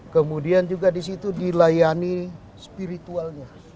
kemudian juga di situ dilayani spiritualnya